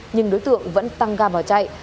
nhưng đối tượng vẫn tăng gà vào chạy